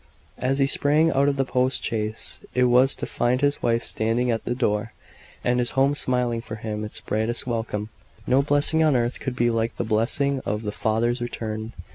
As he sprang out of the post chaise, it was to find his wife standing at the door, and his home smiling for him its brightest welcome. No blessing on earth could be like the blessing of the father's return.